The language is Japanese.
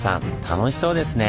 楽しそうですね。